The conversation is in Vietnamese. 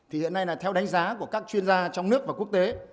hiện nay theo đánh giá của các chuyên gia trong nước và quốc tế